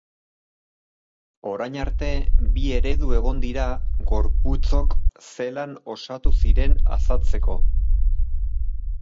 Orain arte bi eredu egon dira gorputzok zelan osatu ziren azaltzeko.